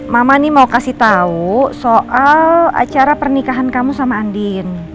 mama nih mau kasih tau soal acara pernikahan kamu sama andien